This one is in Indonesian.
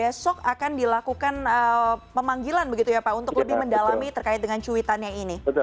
dan besok akan dilakukan pemanggilan begitu ya pak untuk lebih mendalami terkait dengan cuitannya ini